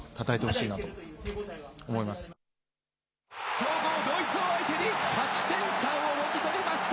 強豪、ドイツを相手に、勝ち点３をもぎ取りました！